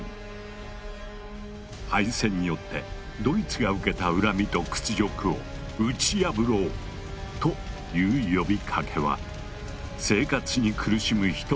敗戦によってドイツが受けた恨みと屈辱を打ち破ろう！という呼びかけは生活に苦しむ人々の心に火を付けた。